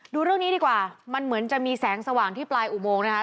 ดูเรื่องนี้ดีกว่ามันเหมือนจะมีแสงสว่างที่ปลายอุโมงนะคะ